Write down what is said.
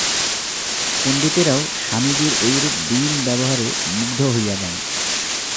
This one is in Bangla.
পণ্ডিতেরাও স্বামীজীর এইরূপ দীন ব্যবহারে মুগ্ধ হইয়া যান।